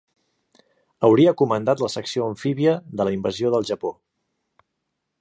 Hauria comandat la secció amfíbia de la invasió del Japó.